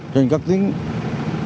trên các tuyến đường